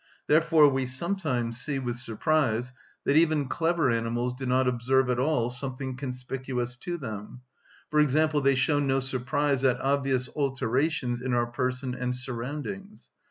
Therefore we sometimes see with surprise that even clever animals do not observe at all something conspicuous to them; for example, they show no surprise at obvious alterations in our person and surroundings.